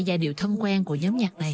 giai điệu thân quen của giấm nhạc này